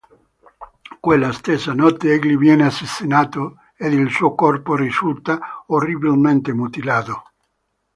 Quella stessa notte egli viene assassinato ed il suo corpo risulta orribilmente mutilato.